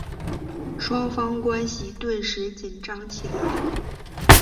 双方关系顿时紧张起来。